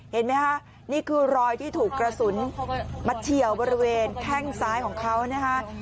เห็นไหมคะนี่คือรอยที่ถูกกระสุนมาเฉียวบริเวณแข้งซ้ายของเขานะคะ